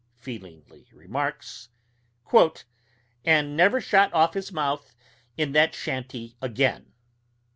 feelingly remarks), "and never shot off his mouth in that shanty again."